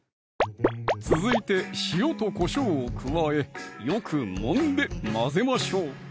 続いて塩とこしょうを加えよくもんで混ぜましょう！